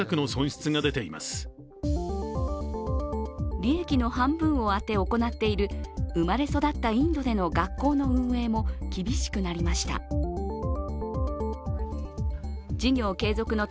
利益の半分を充て行っている、生まれ育ったインドでの学校の運営も厳しくなりました。